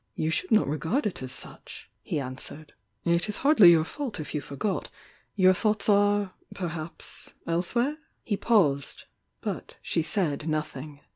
"You should not regard it as such," he answered. "It is hardly your fault if you forgot. Your thoughts are, perhaps, elsewhere?" He paused, — but she said nothing.